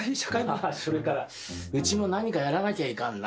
あそれからうちも何かやらなきゃいかんな。